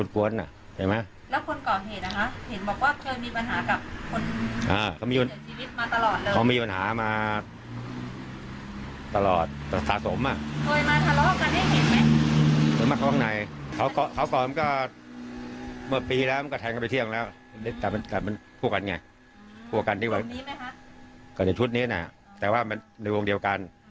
ก็ในชุดนี้นะแต่ว่ามันในวงเดียวกัน